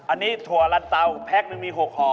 อันนี้ถั่วลันเตาแพ็คนึงมี๖ห่อ